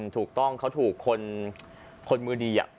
ถูกต้องเขาถูกคนมือดี